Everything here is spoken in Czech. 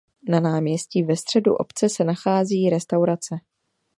Na náměstí ve středu obce se nachází restaurace.